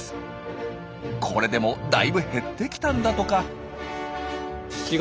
これでもだいぶ減ってきたんだとか。